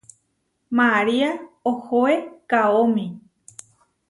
María ohoé kaómi.